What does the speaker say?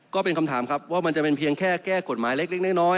ก็เป็นคำถามครับว่ามันจะเป็นเพียงแค่แก้กฎหมายเล็กน้อย